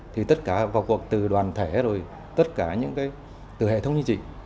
thì tất cả vào cuộc từ đoàn thể rồi tất cả những cái từ hệ thống chính trị